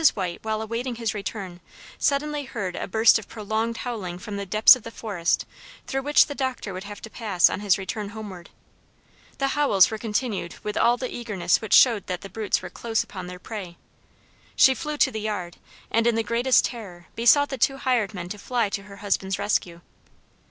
White, while awaiting his return, suddenly heard a burst of prolonged howling from the depths of the forest through which the Doctor would have to pass on his return homeward. The howls were continued with all the eagerness which showed that the brutes were close upon their prey. She flew to the yard, and in the greatest terror, besought the two hired men to fly to her husband's rescue.